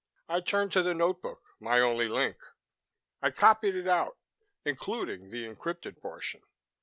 "I turned to the notebook, my only link. I copied it out, including the encrypted portion.